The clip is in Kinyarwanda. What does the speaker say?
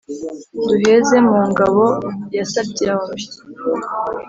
Duheze mu ngabo ya Sabyombyi